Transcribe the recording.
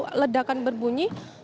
lalu ledakan berbunyi